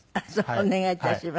お願い致します。